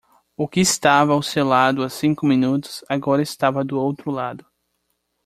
O que estava ao seu lado há cinco minutos agora estava do outro lado.